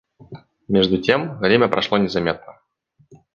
Между тем время прошло незаметно.